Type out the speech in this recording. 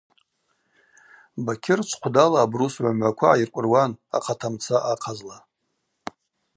Бакьыр чвхъвдала абрус гӏва-мгӏваква гӏайыркӏвыруан ахъатамца ахъазла.